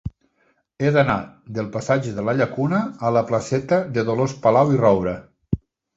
He d'anar del passatge de la Llacuna a la placeta de Dolors Palau i Roura.